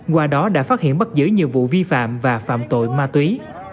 qua đó đã phát hiện bắt giữ nhiều vụ vi phạm và phạm tội ma túy